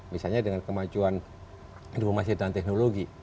misalnya dengan kemajuan informasi dan teknologi